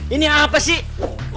ini apa sih